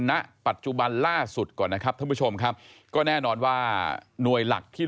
ของกองทัพเรือหรือว่าหน่วยซิล